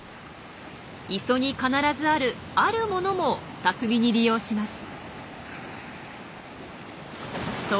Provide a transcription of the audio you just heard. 磯に必ずあるあるものも巧みに利用します。